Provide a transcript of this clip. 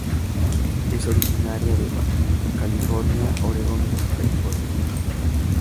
Es originaria de California, Oregon, y Baja California.